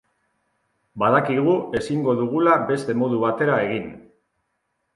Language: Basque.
Badakigu ezingo dugula beste modu batera egin.